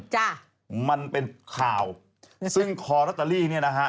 จ้ะมันเป็นข่าวซึ่งคอลอตเตอรี่เนี่ยนะฮะ